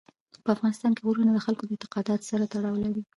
په افغانستان کې غرونه د خلکو د اعتقاداتو سره تړاو لري.